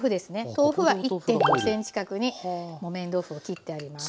豆腐は１．５ｃｍ角に木綿豆腐を切ってあります。